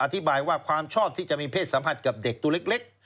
อธิบายว่าความชอบที่จะมีเพศสัมผัสกับเด็กตัวเล็ก